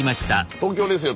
東京ですよ。